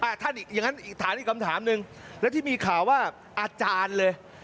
ท่านอีกอย่างงั้นอีกถามอีกคำถามหนึ่งแล้วที่มีข่าวว่าอาจารย์เลย